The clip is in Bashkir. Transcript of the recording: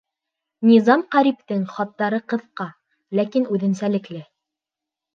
Низам Ҡәриптең хаттары ҡыҫҡа, ләкин үҙенсәлекле.